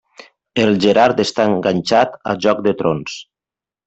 El Gerard està enganxat a Joc de trons.